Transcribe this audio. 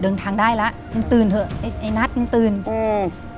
เดินทางได้แล้วลุงตื่นเถอะไอ้นัดลุงตื่นอืม